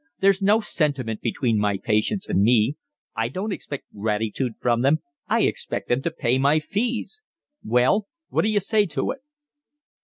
There's no sentiment between my patients and me. I don't expect gratitude from them, I expect them to pay my fees. Well, what d'you say to it?"